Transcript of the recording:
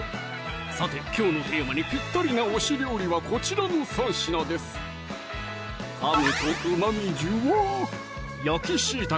さてきょうのテーマにぴったりな推し料理はこちらの３品ですかむとうまみジュワー！